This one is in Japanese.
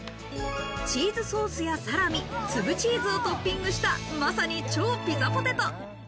チーズソースやサラミ、粒チーズをトッピングした、まさに超ピザポテト。